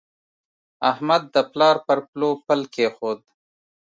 احمد د پلار پر پلو پل کېښود.